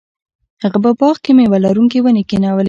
هغه په باغ کې میوه لرونکې ونې کینولې.